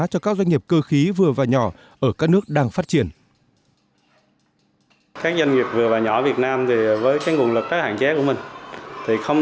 cho các doanh nghiệp cơ khí vừa và nhỏ ở các nước đang phát triển